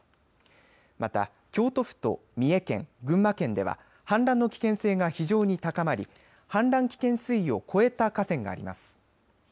また京都府と三重県、群馬県では氾濫の危険性が非常に高まり氾濫危険水位を超えた河川があります。